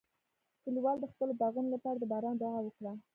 کلیوال د خپلو باغونو لپاره د باران دعا وکړه.